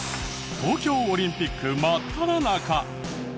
東京オリンピック真っただ中。